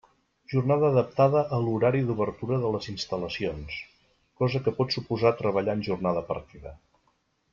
Jornada adaptada a l'horari d'obertura de les instal·lacions, cosa que pot suposar treballar en jornada partida.